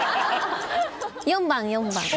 ４番４番。